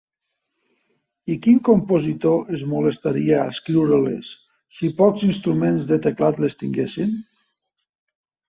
I quin compositor es molestaria a escriure-les, si pocs instruments de teclat les tinguessin?